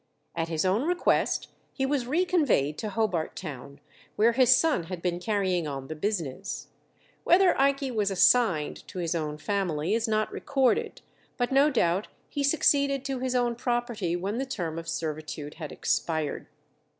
At his own request he was reconveyed to Hobart Town, where his son had been carrying on the business. Whether Ikey was "assigned" to his own family is not recorded, but no doubt he succeeded to his own property when the term of servitude had expired.